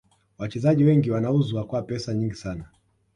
Wachezaji wengi wanauzwa kwa pesa nyingi sana